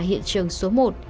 hiện trường số một